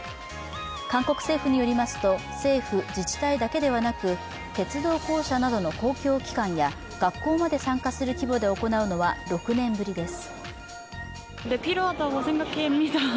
韓国政府によりますと、政府・自治体だけではなく鉄道公社などの公共機関や学校まで参加する規模で行うのは６年ぶりです。